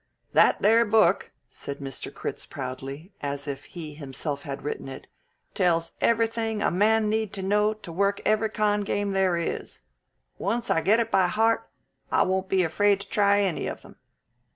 "That there book," said Mr. Critz proudly, as if he himself had written it, "tells everything a man need to know to work every con' game there is. Once I get it by heart, I won't be afraid to try any of them.